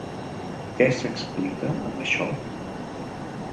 Què s'explica amb això?